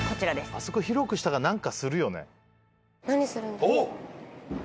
あそこ広くしたら何かするよね。